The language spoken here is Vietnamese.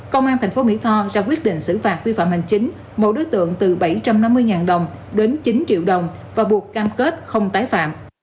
công an thành phố mỹ tho ra quyết định xử phạt vi phạm hành chính một đối tượng từ bảy trăm năm mươi đồng đến chín triệu đồng và buộc cam kết không tái phạm